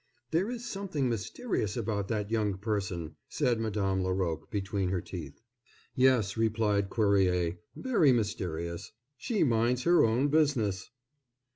"There is something mysterious about that young person," said Madame Laroque between her teeth. "Yes," replied Cuerrier, "very mysterious—she minds her own business."